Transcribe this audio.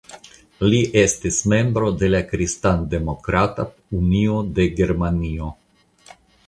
Li estis membro de la Kristandemokrata Unio de Germanio.